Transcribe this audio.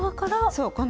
そう。